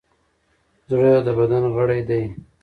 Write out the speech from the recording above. زړه د بدن غړی دی.